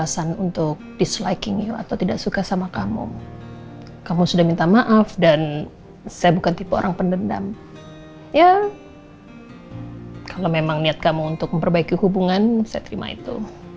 ada alasan untuk disliking you atau tidak suka sama kamu kamu sudah minta maaf dan saya bukan tipe orang pendendam ya kalau memang niat kamu untuk memperbaiki hubungan saya terima itu